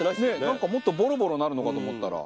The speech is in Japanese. なんかもっとボロボロなるのかと思ったら。